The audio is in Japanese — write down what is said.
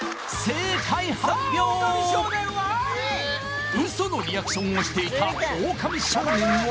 オオカミ少年はウソのリアクションをしていたオオカミ少年は？